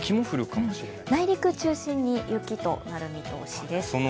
内陸中心に雪となる見通しです。